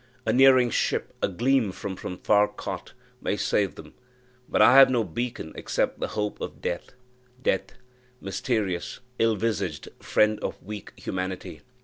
A nearing ship, a gleam from some far cot, may save them; but I have no beacon except the hope of death. Death! mysterious, ill visaged friend of weak humanity!